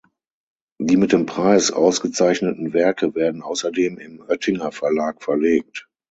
Die mit dem Preis ausgezeichneten Werke werden außerdem im Oetinger-Verlag verlegt.